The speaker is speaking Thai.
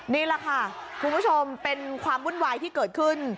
นี่แหละค่ะคุณผู้ชมเป็นความวุ่นวายที่เกิดขึ้น